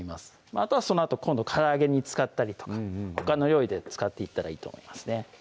あとはそのあと今度から揚げに使ったりとかほかの料理で使っていったらいいと思いますね